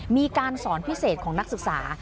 มีการสอนพิเศษของนักศึกษา